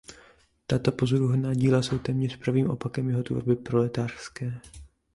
Tato pozoruhodná díla jsou téměř pravým opakem jeho tvorby proletářské.